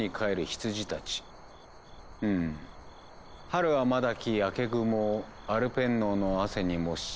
「春はまだき朱雲をアルペン農の汗に燃し」。